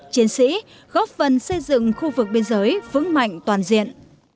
chiến sĩ góp phần xây dựng khu vực biên giới vững mạnh toàn diện